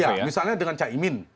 ya misalnya dengan caimin